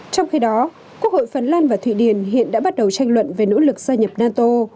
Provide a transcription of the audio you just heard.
trong khi đó quốc hội phần lan và thụy điển hiện đã bắt đầu tranh luận về nỗ lực gia nhập nato